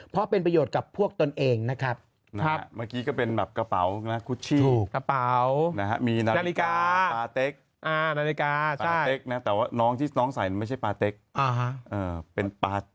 เป็นปลาเป็นปลาทิ้งปลาเก้หรอ